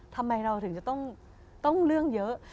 ทำไมเราถึงจะต้องเรื่องเยอะ